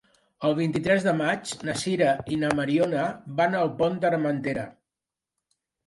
El vint-i-tres de maig na Sira i na Mariona van al Pont d'Armentera.